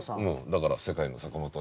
だから世界の坂本。